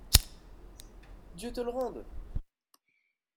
Dieu te le rende!